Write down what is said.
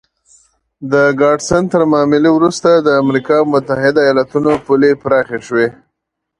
د ګاډسن تر معاملې وروسته د امریکا متحده ایالتونو پولې پراخې شوې.